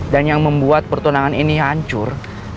dan yang membuat pertunangan ini hancur